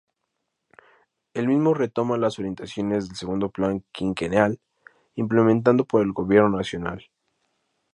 El mismo retomaba las orientaciones del Segundo Plan Quinquenal implementado por el gobierno nacional.